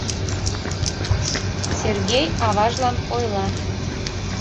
— Сергей аважлан ойла.